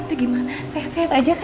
tante gimana sehat sehat aja kak